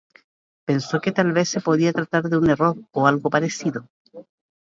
Pensó que tal vez se podía tratar de un error o algo parecido.